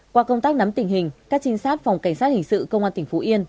qua công tác nắm tình hình các trinh sát phòng cảnh sát hình sự công an tỉnh phú yên